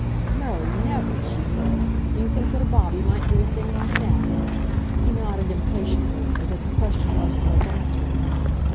"No, never!" she said. "D'you think that a Bobby might do a thing like that?" He nodded impatiently, as if the question wasn't worth answering.